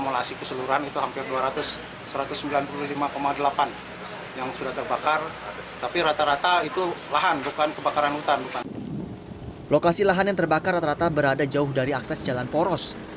lokasi lahan yang terbakar rata rata berada jauh dari akses jalan poros